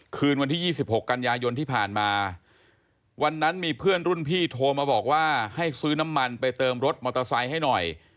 คืนวันที่๒๖กันยายนที่ผ่านมาวันนั้นมีเพื่อนรุ่นพี่โทรมาบอกว่าให้ซื้อน้ำมันไปเติมรถมอเตอร์ไซค์ให้หน่อย